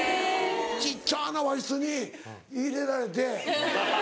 小っちゃな和室に入れられて。